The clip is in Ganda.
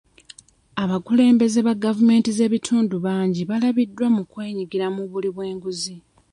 Abakulembeze ba gavumenti z'ebitundu bangi balabiddwa mu kwenyigira mu buli bw'enguzi